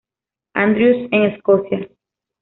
Andrews, en Escocia.